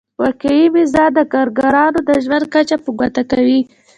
واقعي مزد د کارګرانو د ژوند کچه په ګوته کوي